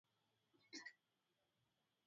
Mimi nitakuja na wewe ili nikupeleke sokoni.